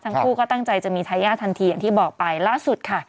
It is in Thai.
ทั้งคู่ก็ตั้งใจจะมีทายาททันทีอย่างที่บอกไปล่าสุดค่ะ